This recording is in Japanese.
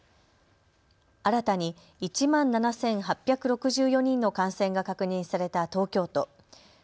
新たに１万７８６４人の感染が確認された東京都。